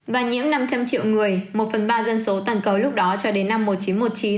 và nhiễm năm trăm linh triệu người một phần ba dân số toàn cầu lúc đó cho đến năm một nghìn chín trăm một mươi chín